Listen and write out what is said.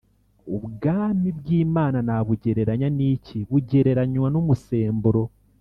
ubwami bw imana nabugereranya n iki bugereranywa n umusemburo